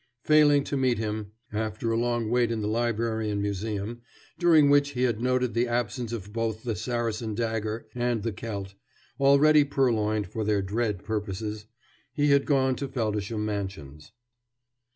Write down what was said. Failing to meet him, after a long wait in the library and museum, during which he had noted the absence of both the Saracen dagger and the celt, already purloined for their dread purposes, he had gone to Feldisham Mansions.